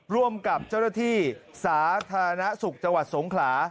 ร่วมกับเจ้าหน้าที่สาธารณสุขจังหวัดสงขลา